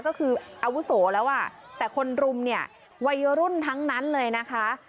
ก็คืออาวุโสแล้วอ่ะแต่คนรุมเนี่ยวัยรุ่นทั้งนั้นเลยนะคะ